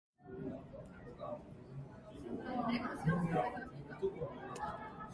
The pitched roof is clad with red tile.